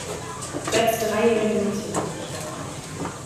Selbst dreijährige Mädchen sind betroffen.